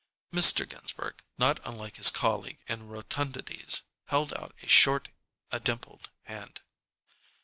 Mr. Ginsberg, not unlike his colleague in rotundities, held out a short, a dimpled hand.